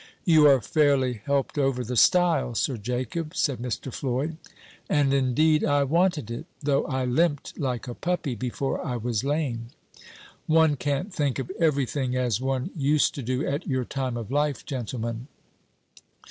"You are fairly helped over the stile, Sir Jacob," said Mr. Floyd. "And, indeed, I wanted it; though I limped like a puppy before I was lame. One can't think of every thing as one used to do at your time of life, gentlemen."